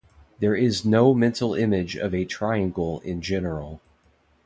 There is no mental image of a triangle in general.